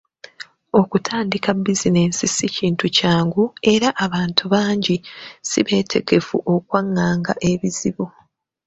Okutandika bizinensi si kintu kyangu, era abantu bangi si beetegefu okwanganga ebizibu.